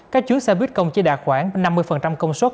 các chuyến xe buýt công chỉ đạt khoảng năm mươi công suất